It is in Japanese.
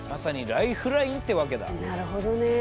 なるほどね。